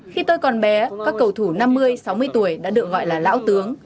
khi tôi còn bé các cầu thủ năm mươi sáu mươi tuổi đã được gọi là lão tướng